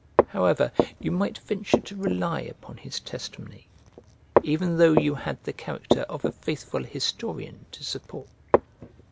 However, you might venture to rely upon his testimony, even though you had the character of a faithful historian to support.